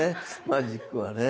マジックはね。